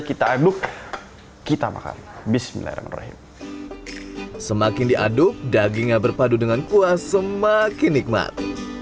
kita aduk kita makan bismiler rohing semakin diaduk dagingnya berpadu dengan kuah semakin nikmat